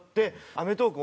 『アメトーーク』